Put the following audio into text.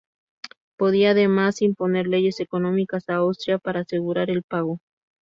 Podía además imponer leyes económicas a Austria para asegurar el pago.